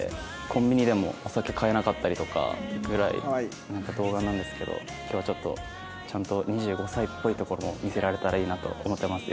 コンビニでもお酒買えなかったりとかぐらい童顔なんですけど今日はちょっとちゃんと２５歳っぽいところを見せられたらいいなと思ってます。